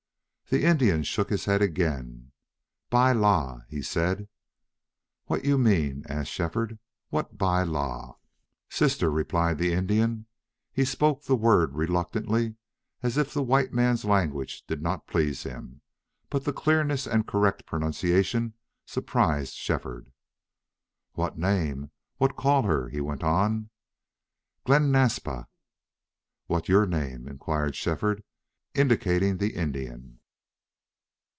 The Indian shook his head again. "Bi la," he said. "What you mean?" asked Shefford. "What bi la?" "Sister," replied the Indian. He spoke the word reluctantly, as if the white man's language did not please him, but the clearness and correct pronunciation surprised Shefford. "What name what call her?" he went on. "Glen Naspa." "What your name?" inquired Shefford, indicating the Indian.